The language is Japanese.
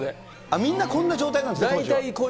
みんなこんな状態なんですね。